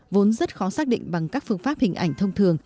vốn rất khó xác định bằng các phương pháp hình ảnh thông thường